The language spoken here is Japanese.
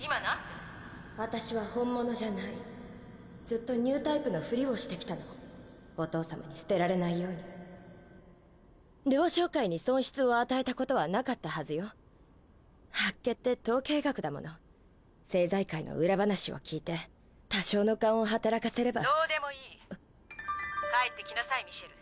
私は本物じゃないずっとニュータイプのふりをしてきたのお義父様に捨てらないように「ルオ商会」に損失を与えたこと八卦って統計学だもの政財界の裏話を聞いて多少の勘を働かせれば（ステファニー帰って来なさいミシェル。